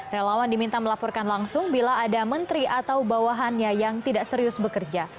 relawan diminta melaporkan langsung bila ada menteri atau bawahannya yang tidak serius bekerja